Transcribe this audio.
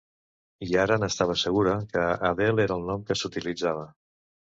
I ara n'estava segura que Adele era el nom que s'utilitzava.